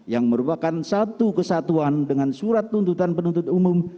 yang merupakan satu kesatuan dengan surat tuntutan penuntut umum